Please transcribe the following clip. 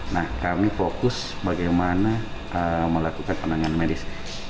nah kami fokus bagaimana melakukan penanganan medis